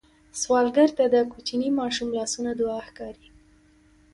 سوالګر ته د کوچني ماشوم لاسونه دعا ښکاري